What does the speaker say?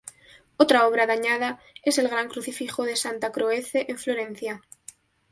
Otra obra dañada es el gran "Crucifijo" de Santa Croce en Florencia.